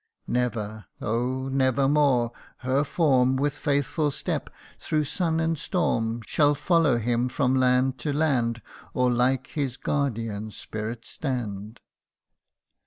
Never, oh ! never more, her form With faithful step, through sun and storm, Shall follow him from land to land Or like his guardian spirit stand.